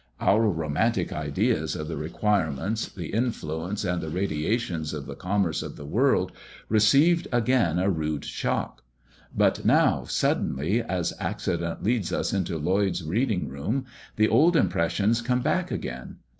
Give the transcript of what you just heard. Our romantic ideas of the requirements, the influences, and the radiations of the commerce of the world received again a rude shock; but now, suddenly, as accident leads us into Lloyd's reading room, the old impressions come back again.